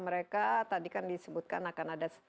mereka tadi kan disebutkan akan ada